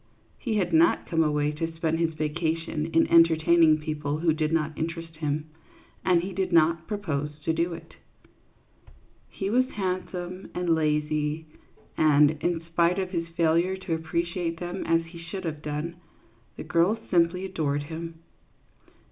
He had not come away to spend his vacation in entertaining people who did not interest him, and he did not propose to do it. He was handsome and lazy, and, in spite of his failure to appreciate them as he should have done, the girls simply adored him.